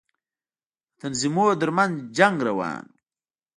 د تنظيمونو تر منځ جنگ روان و.